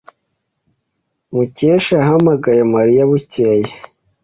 Mukesha yahamagaye Mariya bukeye.